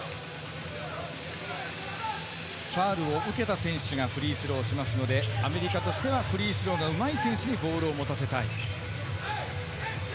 ファウルを受けた選手がフリースローを打ちますのでアメリカとしてはフリースローがうまい選手にボールを持たせたい。